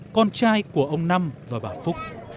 con trai của ông năm và bà phúc